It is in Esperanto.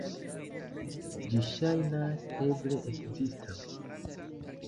Ĝi ŝajnas eble ekzista.